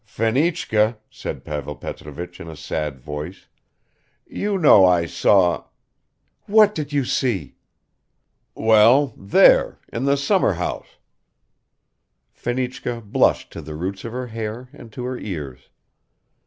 "Fenichka," said Pavel Petrovich in a sad voice, "you know I saw ..." "What did you see?" "Well, there ... in the summerhouse." Fenichka blushed to the roots of her hair and to her ears.